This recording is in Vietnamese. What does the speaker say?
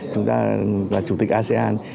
chúng ta là chủ tịch asean